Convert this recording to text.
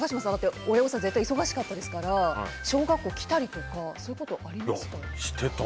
どうですか、高嶋さんは親御さん絶対忙しかったですから小学校、来たりとかそういうことありました？